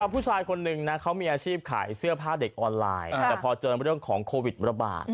ผู้ชายคนนึงนะเขามีอาชีพขายเสื้อผ้าเด็กออนไลน์แต่พอเจอเรื่องของโควิดระบาด